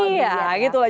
iya gitu lah